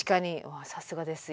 うわさすがです。